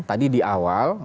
tadi di awal